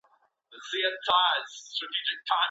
ولي کوښښ کوونکی د ذهین سړي په پرتله بریا خپلوي؟